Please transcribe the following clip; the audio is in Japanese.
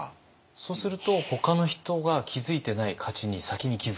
そうするとほかの人が気づいてない価値に先に気づける？